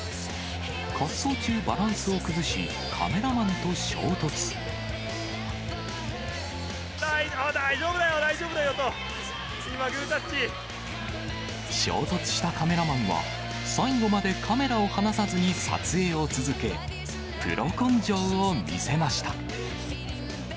滑走中、バランスを崩し、大丈夫だよ、大丈夫だよと、衝突したカメラマンは、最後までカメラを離さずに撮影を続け、プロ根性を見せました。